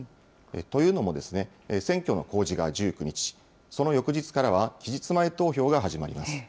というのも、選挙の公示が１９日、その翌日からは期日前投票が始まります。